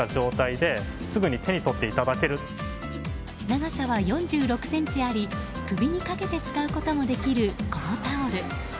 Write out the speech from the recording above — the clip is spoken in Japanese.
長さは４６ｃｍあり首にかけて使うこともできるこのタオル。